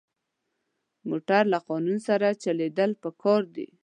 موټر له قانون سره چلېدل پکار دي.